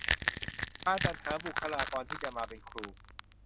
การจัดหาบุคคลากรที่จะมาเป็นครู